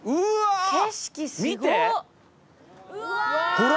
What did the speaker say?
ほら。